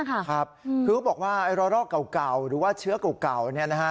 คือเขาบอกว่ารอรอกเก่าหรือว่าเชื้อเก่า